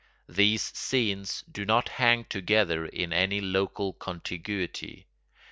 These scenes do not hang together in any local contiguity.